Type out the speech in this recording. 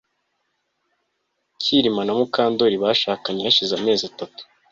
Kirima na Mukandoli bashakanye hashize amezi atatu